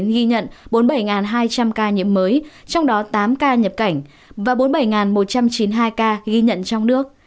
ghi nhận bốn mươi bảy hai trăm linh ca nhiễm mới trong đó tám ca nhập cảnh và bốn mươi bảy một trăm chín mươi hai ca ghi nhận trong nước